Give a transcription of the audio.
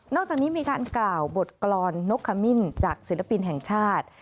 จากนี้มีการกล่าวบทกรรมนกขมิ้นจากศิลปินแห่งชาติ